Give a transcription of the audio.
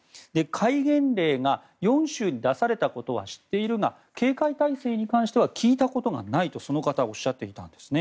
戒厳令が４州に出されたことは知ってるいが警戒体制に関しては聞いたことがないとその方はおっしゃっていたんです。